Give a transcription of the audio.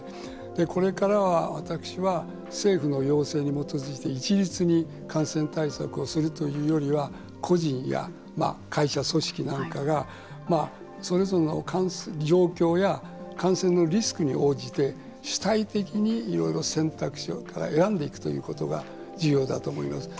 これからは、私は政府の要請に基づいて一律に感染対策をするというよりは個人や会社組織なんかがそれぞれの状況や感染のリスクに応じて主体的にいろいろな選択肢から選んでいくということが重要だと思います。